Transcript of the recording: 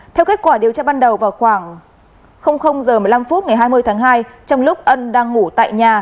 theo kết quả điều tra ban đầu vào khoảng h một mươi năm phút ngày hai mươi tháng hai trong lúc ân đang ngủ tại nhà